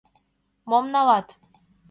— Мом налат?